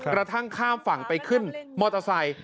กระทั่งข้ามฝั่งไปขึ้นมอเตอร์ไซค์